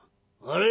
「あれ？